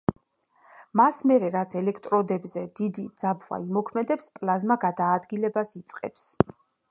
მას მერე, რაც ელექტროდებზე დიდი ძაბვა იმოქმედებს, პლაზმა გადაადგილებას იწყებს.